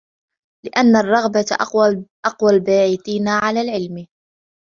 لِأَنَّ الرَّغْبَةَ أَقْوَى الْبَاعِثَيْنِ عَلَى الْعِلْمِ